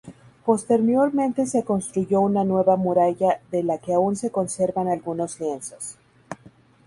Posteriormente se construyó una nueva muralla de la que aún se conservan algunos lienzos.